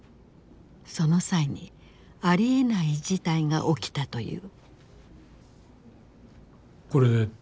その際にありえない事態が起きたという。